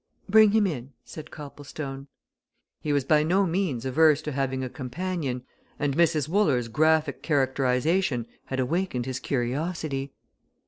"Bring him in," said Copplestone. He was by no means averse to having a companion, and Mrs. Wooler's graphic characterization had awakened his curiosity.